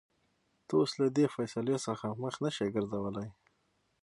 ته اوس له دې فېصلې څخه مخ نشې ګرځولى.